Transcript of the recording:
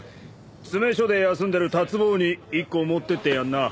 詰め所で休んでるタツ坊に１個持ってってやんな。